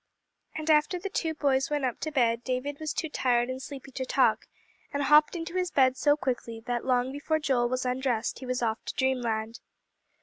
And after the two boys went up to bed, David was too tired and sleepy to talk, and hopped into his bed so quickly that long before Joel was undressed he was off to dreamland.